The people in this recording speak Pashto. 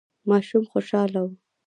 ماشوم خوشاله و.